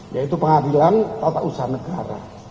yaitu pengadilan tata usaha negara